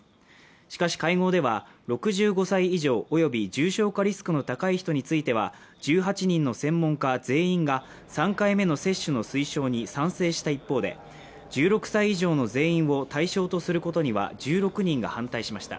しかし会合では６５歳以上および重症化リスクの高い人については１８人の専門家全員が３回目の接種の推奨に賛成した一方で１６歳以上の全員を対象とすることには１６人が反対しました。